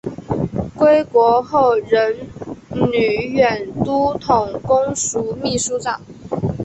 归国后任绥远都统公署秘书长。